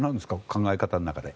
考え方の中で。